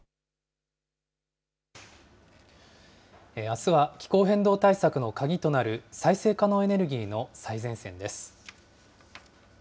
あすは、気候変動対策の鍵となる再生可能エネルギーの最前線です。